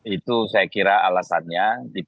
itu saya kira alasannya